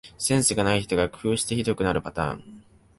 センスない人が工夫してひどくなるパターン